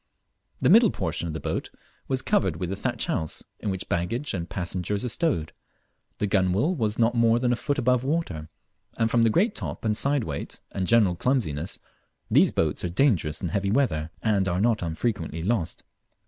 The middle portion of the boat was covered with a thatch house, in which baggage and passengers are stowed; the gunwale was not more than a foot above water, and from the great top and side weight, and general clumsiness, these boats are dangerous in heavy weather, and are not unfrequently lost.